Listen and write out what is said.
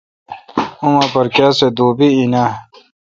اوما پر کیا سُو دوبی این آں؟